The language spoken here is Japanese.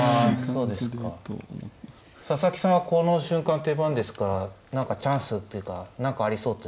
佐々木さんはこの瞬間手番ですから何かチャンスというか何かありそうというか。